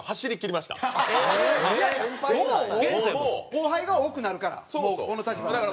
後輩が多くなるからもうこの立場になったら。